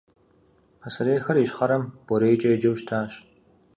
Пасэрейхэр ищхъэрэм БорейкӀэ еджэу щытащ.